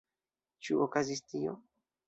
Ĉu okazis tio?